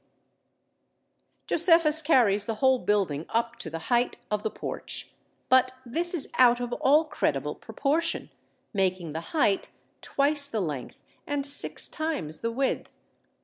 ] Josephus carries the whole building up to the height of the porch; but this is out of all credible proportion, making the height twice the length and six times the width.